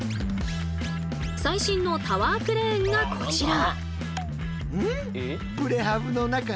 最新のタワークレーンがこちら。